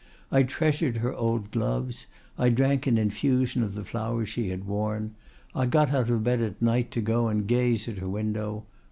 I treasured her old gloves; I drank an infusion of the flowers she had worn; I got out of bed at night to go and gaze at her window.